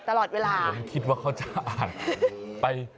ตลอดเวลามันคิดว่าเขาจะไป